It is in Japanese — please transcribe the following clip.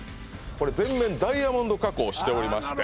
これ全面ダイヤモンド加工しておりまして